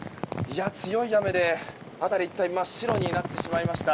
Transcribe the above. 強い雨で辺り一帯真っ白になってしまいました。